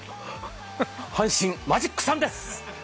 阪神マジック３です。